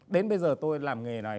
đến bây giờ tôi làm nghề này